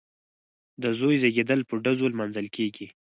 د زوی زیږیدل په ډزو لمانځل کیږي.